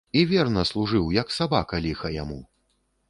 І верна служыў, як сабака, ліха яму.